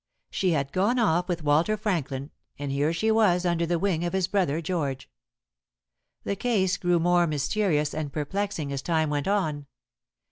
She had gone off with Walter Franklin, and here she was under the wing of his brother George. The case grew more mysterious and perplexing as time went on.